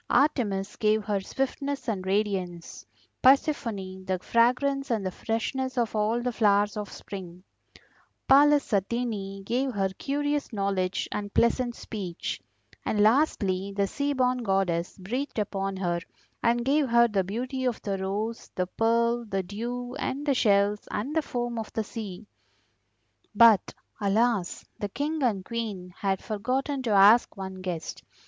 Artemis gave her swiftness and radiance, Persephone the fragrance and the freshness of all the flowers of spring; Pallas Athene gave her curious knowledge and pleasant speech; and, lastly, the Seaborn Goddess breathed upon her and gave her the beauty of the rose, the pearl, the dew, and the shells and the foam of the sea. But, alas! the King and Queen had forgotten to ask one guest.